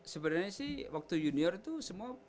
sebenarnya sih waktu junior itu semua